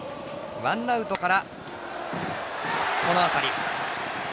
ワンアウトからこの当たり。